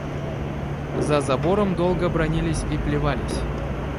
За забором долго бранились и плевались.